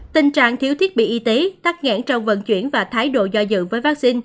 tình trạng thiếu thiết bị y tế tắc nghẽn trong vận chuyển và thái độ do dự với vaccine